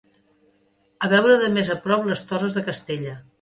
A veure de més prop les torres de Castella